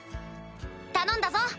頼んだぞ！